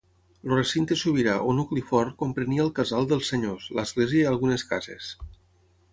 El recinte sobirà o nucli fort comprenia el casal dels senyors, l'església i algunes cases.